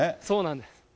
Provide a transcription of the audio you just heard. そうなんです。